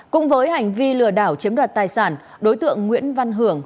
cũng với hành vi lừa đảo chiếm đoạt tài sản đối tượng nguyễn văn hưởng